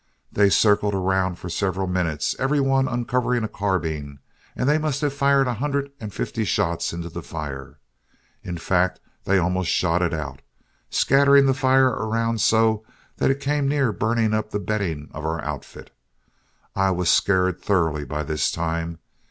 They circled around for several minutes, every one uncovering a carbine, and they must have fired a hundred and fifty shots into the fire. In fact they almost shot it out, scattering the fire around so that it came near burning up the bedding of our outfit. I was scared thoroughly by this time.